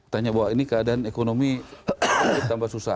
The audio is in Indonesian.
tanya bahwa ini keadaan ekonomi ditambah susah